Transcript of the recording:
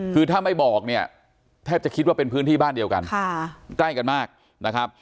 คือถ้าไม่บอกเนี่ยแทบจะคิดว่าเป็นพื้นที่บ้านเดียวกันใกล้กันมากนะครับ